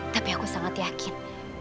tapi aku sangat yakin